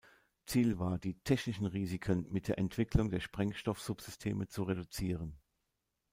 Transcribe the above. Das Ziel war, die technischen Risiken mit der Entwicklung der Sprengkopf-Subsysteme zu reduzieren.